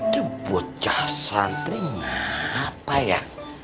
debut cah santri ngapa ya